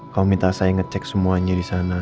kamu minta saya ngecek semuanya disana